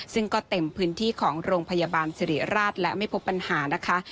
ซึ่งก็เต็มพื้นที่ของโรงพยาบาลสิริราชและไม่พบปัญหานะคะ